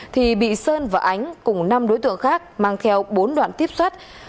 thì bị sơn và ánh cùng năm đối tượng khác mang theo bốn đoạn tiếp xuất